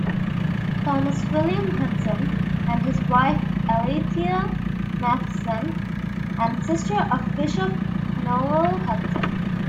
Thomas William Hudson and his wife Alethea Matheson, and sister of Bishop Noel Hudson.